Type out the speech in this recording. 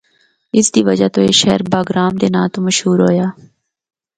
اس دی وجہ تو اے شہر باگرام دے ناں تو مشہور ہویا۔